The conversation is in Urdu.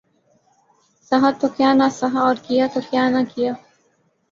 سہا تو کیا نہ سہا اور کیا تو کیا نہ کیا